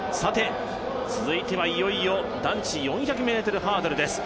続いてはいよいよ男子４００ｍハードルです。